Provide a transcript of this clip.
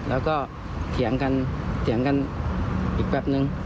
แล้วก็เถียงกันอีกแป๊บหนึ่ง